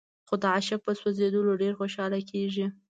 خو د عاشق په سوځېدلو ډېره خوشاله کېږي.